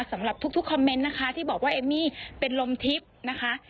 สำหรับทุกคอมเมนต์นะคะที่บอกว่าเอมมี่เป็นลมทิพย์นะคะ